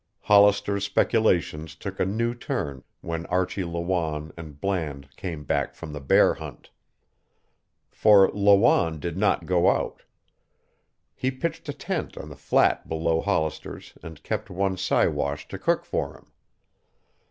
Hollister's speculations took a new turn when Archie Lawanne and Bland came back from the bear hunt. For Lawanne did not go out. He pitched a tent on the flat below Hollister's and kept one Siwash to cook for him.